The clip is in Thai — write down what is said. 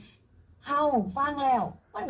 ชาวฟังแล้วก็บ้าง